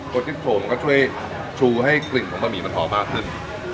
จิ้นโฉมก็ช่วยชูให้กลิ่นของบะหมี่มันหอมมากขึ้น